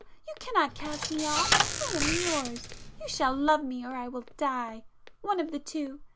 You cannot cast me off—I am yours! You shall love me, or I will die,—one of the two.